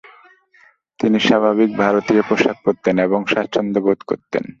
তিনি স্বাভাবিক ভারতীয় পোশাক পরতেন এবং স্বাচ্ছন্দ্য বোধ করতেন।